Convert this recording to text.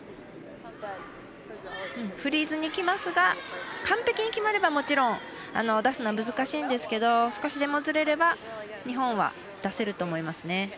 フリーズにきますが完璧に決まればもちろん出すのは難しいんですが少しでもずれれば日本は出せると思いますね。